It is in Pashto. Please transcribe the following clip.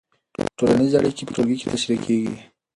ټولنیزې اړیکې په ټولګي کې تشریح کېږي.